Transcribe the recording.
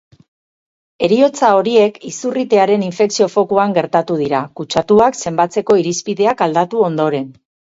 Heriotza horiek izurritearen infekzio-fokuan gertatu dira, kutsatuak zenbatzeko irizpideak aldatu ondoren.